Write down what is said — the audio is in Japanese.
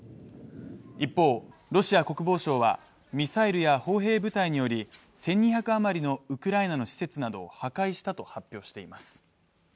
一方、ロシア国防省はミサイルや砲兵部隊により１２００あまりのウクライナの施設などを破壊したと発表しています。